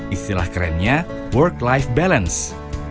istilah kerennya work life balance